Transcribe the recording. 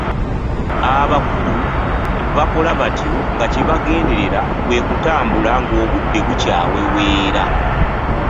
Abakulu bakola batyo nga kye bagenderera kwe kutambula ng'obudde bukyaweweera.